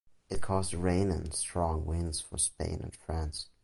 It caused rain and strong winds for Spain and France.